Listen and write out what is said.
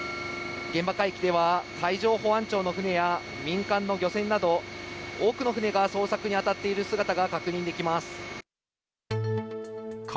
現場海域では、海上保安庁の船や民間の漁船など、多くの船が捜索に当たっている姿が確認できます。